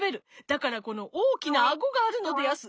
だからこのおおきなあごがあるのでやす。